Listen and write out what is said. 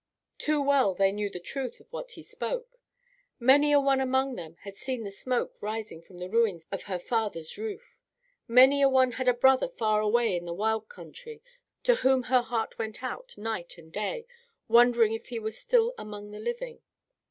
Too well they knew the truth of what he spoke. Many a one among them had seen the smoke rising from the ruins of her father's roof. Many a one had a brother far away in the wild country to whom her heart went out night and day, wondering if he were still among the living.